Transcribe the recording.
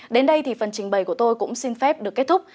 đến đây thì phần trình bày của tôi cũng xin phép được kết thúc